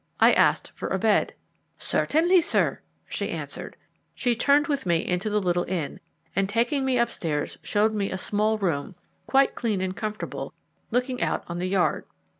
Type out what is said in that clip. I asked for a bed. "Certainly, sir," she answered. She turned with me into the little inn, and taking me upstairs, showed me a small room, quite clean and comfortable, looking out on the yard.